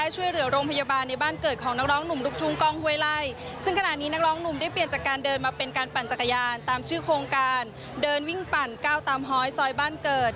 ชื่อโครงการเดินวิ่งปั่นก้าวตามฮอยซอยบ้านเกิด